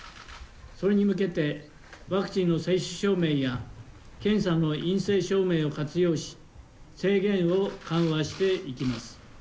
それに向けてワクチンの接種証明や、検査の陰性証明を活用し、制限を緩和していきます。